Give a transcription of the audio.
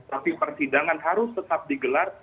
tapi persidangan harus tetap digelar